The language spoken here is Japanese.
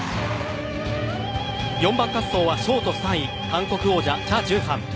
４番滑走はショート３位韓国王者、チャ・ジュンファン。